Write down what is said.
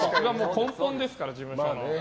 根本ですから、事務所の。